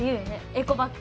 エコバッグ。